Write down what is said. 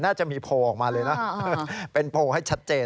น่าจะมีโพลออกมาเลยนะเป็นโพลให้ชัดเจน